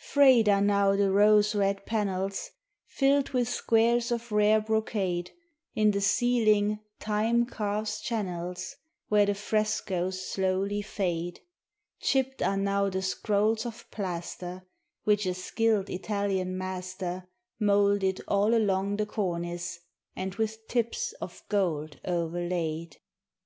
Frayed are now the rose red panels Filled with squares of rare brocade, In the ceiling Time carves channels Where the frescoes slowly fade; Chipped are now the scrolls of plaster, Which a skilled Italian master Moulded all along the cornice, and with tips of gold o'erlaid.